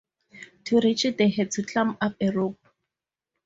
To reach it, they had to climb up a rope.